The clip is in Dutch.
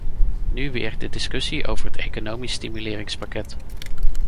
Nu weer de discussie over het economisch stimuleringspakket.